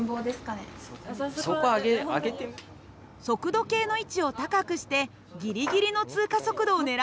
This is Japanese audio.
速度計の位置を高くしてギリギリの通過速度を狙うようです。